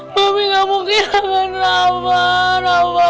mami gak mau kehilangan rafa